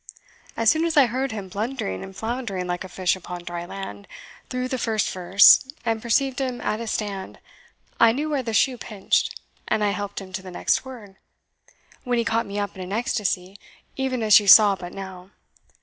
As soon as I heard him blundering and floundering like a fish upon dry land, through the first verse, and perceived him at a stand, I knew where the shoe pinched, and helped him to the next word, when he caught me up in an ecstasy, even as you saw but now.